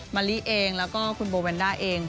มะลิเองแล้วก็คุณโบแวนด้าเอง